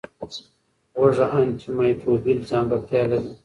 هوږه انټي مایکروبیل ځانګړتیا لري.